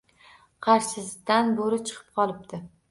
Qarshisidan bo’ri chiqib qolibdi